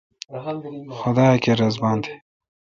خدا کیر رس بان تھ ۔